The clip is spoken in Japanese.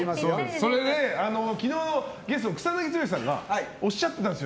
それで昨日ゲストの草なぎ剛さんがおっしゃってんたんですよ。